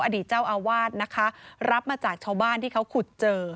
อดีตเจ้าอาวาสนะคะรับมาจากชาวบ้านที่เขาขุดเจอ